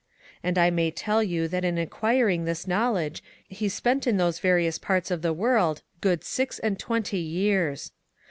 And I may tell you that in acquiring this know ledge he spent in those various parts of the World good six and twenty years.